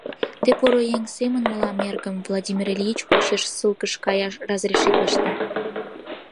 Те поро еҥ семын мылам эргым — Владимир Ильич почеш ссылкыш каяш разрешитлышда.